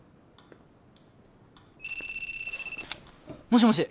もしもし！